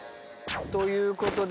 という事で。